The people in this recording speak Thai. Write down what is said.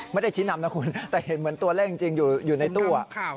ไม่ได้ชี้นำนะคุณแต่เห็นเหมือนตัวเลขจริงอยู่ในตู้